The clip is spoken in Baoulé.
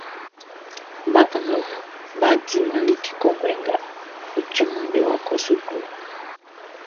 Bakannganʼm bʼa diman like kɔnguɛ nga, ɔ cɛman be wa kɔ suklu.